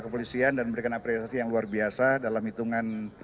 kepolisian dan memberikan apresiasi yang luar biasa dalam hitungan jam ya bisa diungkap